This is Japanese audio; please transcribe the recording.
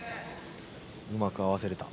うまく合わせられた。